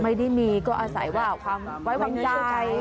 ไม่ได้มีก็อาศัยว่าความไว้วางใจ